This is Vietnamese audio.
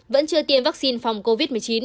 vẫn chưa tiêm vaccine phòng covid một mươi chín